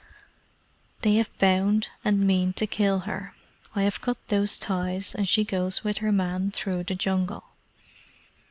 "They have bound and mean to kill her. I have cut those ties, and she goes with her man through the Jungle."